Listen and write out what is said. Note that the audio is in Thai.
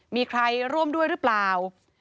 มีใครร่วมด้วยหรือเปล่า